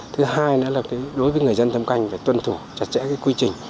thứ hai nữa là đối với người dân thâm canh phải tuân thủ chặt chẽ cái quy trình